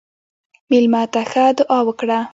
مېلمه ته ښه دعا وکړه.